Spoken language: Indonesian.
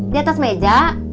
di atas meja